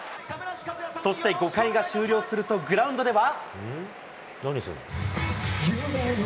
そして５回が終了すると、グラウンドでは。